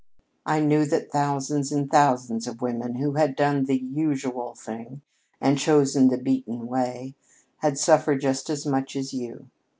I knew that thousands and thousands of women, who had done the usual thing and chosen the beaten way, had suffered just as much as you.